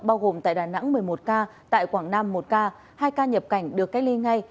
bao gồm tại đà nẵng một mươi một ca tại quảng nam một ca hai ca nhập cảnh được cách ly ngay